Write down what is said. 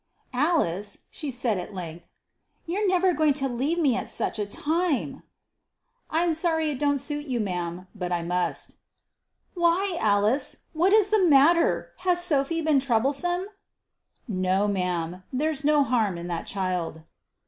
"Alice," she said at length, "you're never going to leave me at such a time!" "I'm sorry it don't suit you, ma'am, but I must." "Why, Alice? What is the matter? Has Sophy been troublesome?" "No, ma'am; there's no harm in that child."